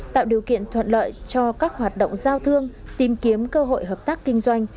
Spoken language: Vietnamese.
tạo điều kiện thuận lợi cho các hoạt động giao thương tìm kiếm cơ hội hợp tác kinh doanh